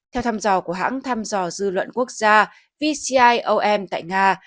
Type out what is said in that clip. theo tham dò của hãng tham dò dư luận quốc gia vciom tại nga